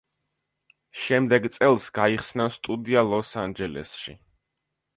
შემდეგ წელს გაიხსნა სტუდია ლოს-ანჯელესში.